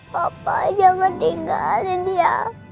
papa jangan tinggalin dia